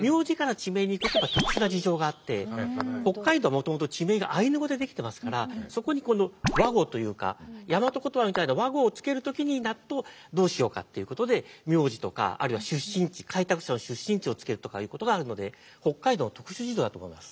もともと地名がアイヌ語でできてますからそこに和語というか大和言葉みたいな和語を付ける時になるとどうしようかっていうことで名字とかあるいは出身地開拓者の出身地を付けるとかいうことがあるので北海道の特殊事情だと思います。